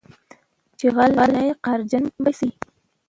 چې غل نه یې قهرجن په څه یې